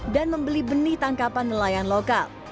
dan membeli benih tangkapan nelayan lokal